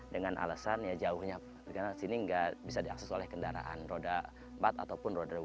dengan alasan jauhnya karena di sini tidak bisa diakses oleh kendaraan roda empat ataupun roda dua